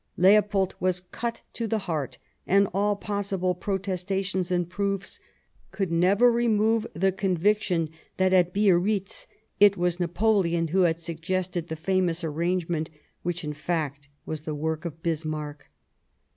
Leopold w as cut to the heart, and all possible protestations and proofs could never remove the conviction that at Biarritz it was Napoleon who had suggested the famous arrangement which, in fact, was the work of Bismarck.